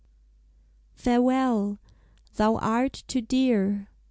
FAREWELL! THOU ART TOO DEAR.